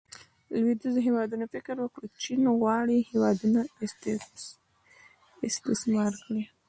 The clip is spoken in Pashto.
لویدیځو هیوادونو فکر وکړو چې چین غواړي هیوادونه استثمار کړي.